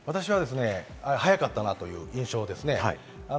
私は早かったという印象です。